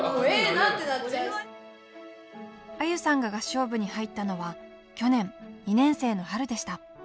愛友さんが合唱部に入ったのは去年２年生の春でした。